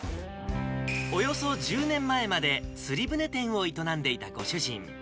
およそ１０年前まで釣り船店を営んでいたご主人。